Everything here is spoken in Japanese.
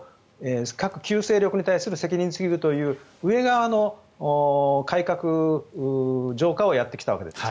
各旧勢力に対する責任追及という上側の改革、浄化をやってきたわけです。